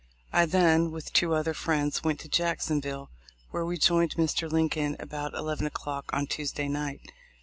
I then, with two other friends, went to Jacksonville, where we joined Mr. Lincoln about 11 o'clock on Tuesday night.